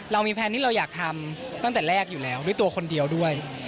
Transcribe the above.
เรามีแพลนที่เราอยากทำตั้งแต่แรกอยู่แล้วด้วยตัวคนเดียวด้วย